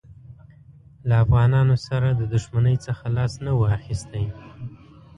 له افغانانو سره د دښمنۍ څخه لاس نه وو اخیستی.